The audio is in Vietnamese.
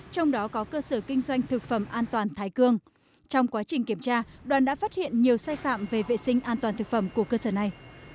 trong đó có cơ sở kinh doanh thực phẩm an toàn thái cương trong quá trình kiểm tra đoàn đã phát hiện nhiều sai phạm về vệ sinh an toàn thực phẩm của cơ sở này